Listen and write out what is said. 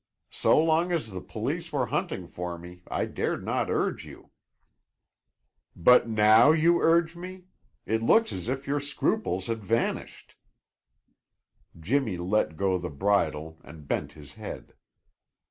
So long as the police were hunting for me I dared not urge you." "But now you urge me? It looks as if your scruples had vanished!" Jimmy let go the bridle and bent his head.